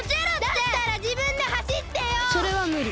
だったらじぶんではしってよ！それはむり。